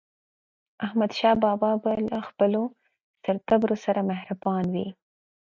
احمدشاه بابا به له خپلو سرتېرو سره مهربان و.